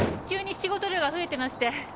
急に仕事量が増えてまして。